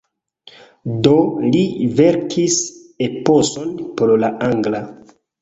Do li verkis eposon por la angla.